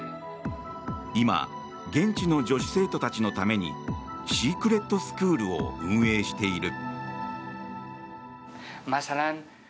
今、現地の女子生徒たちのためにシークレット・スクールを運営している。